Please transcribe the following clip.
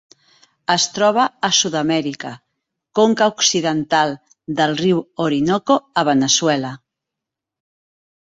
Es troba a Sud-amèrica: conca occidental del riu Orinoco a Veneçuela.